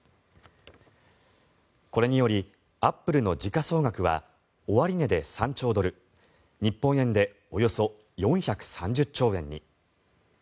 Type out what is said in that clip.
これによりアップルの時価総額は終値で３兆ドル日本円でおよそ４３０兆円に。